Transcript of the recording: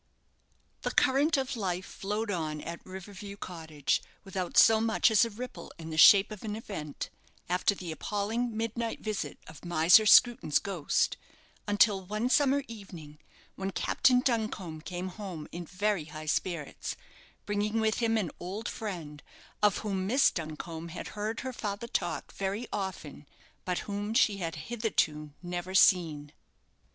The current of life flowed on at River View Cottage without so much as a ripple in the shape of an event, after the appalling midnight visit of Miser Screwton's ghost, until one summer evening, when Captain Duncombe came home in very high spirits, bringing with him an old friend, of whom Miss Duncombe had heard her father talk very often; but whom she had hitherto never seen.